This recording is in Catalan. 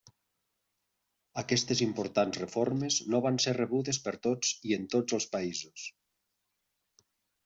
Aquestes importants reformes no van ser rebudes per tots i en tots els països.